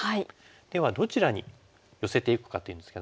ではどちらに寄せていくかっていうんですけども。